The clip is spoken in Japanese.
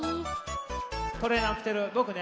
トレーナーきてるぼくね。